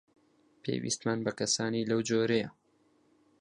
پێویستمان بە کەسانی لەو جۆرەیە.